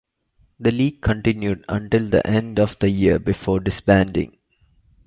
The league continued until the end of the year before disbanding.